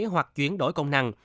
hoặc chuyển đổi công năng